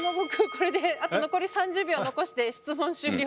これであと残り３０秒残して質問終了？